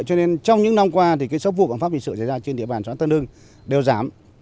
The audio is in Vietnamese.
cho nên trong những năm qua số vụ bằng pháp hình sự xảy ra trên địa bàn sản tân hưng đều giảm